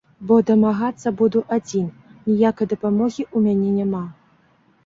Бо дамагацца буду адзін, ніякай дапамогі ў мяне няма.